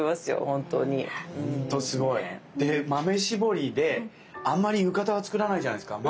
ほんとすごい！で豆絞りであんまり浴衣は作らないじゃないですか。